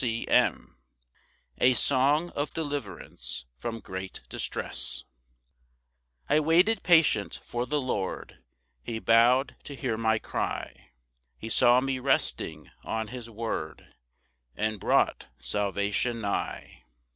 C. M. A song of deliverance from great distress. 1 I waited patient for the Lord, He bow'd to hear my cry; He saw me resting on his word, And brought salvation nigh.